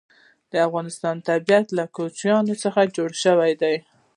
د افغانستان طبیعت له کوچیانو څخه جوړ شوی دی.